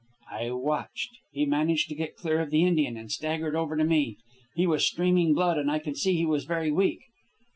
"I watched. He managed to get clear of the Indian and staggered over to me. He was streaming blood, and I could see he was very weak.